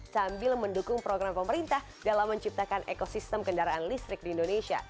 sambil mendukung program pemerintah dalam menciptakan ekosistem kendaraan listrik di indonesia